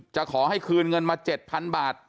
จะขอให้คืนเงินมา๗๐๐บาท